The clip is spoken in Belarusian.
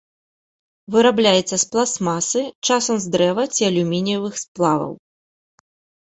Вырабляецца з пластмасы, часам з дрэва ці алюмініевых сплаваў.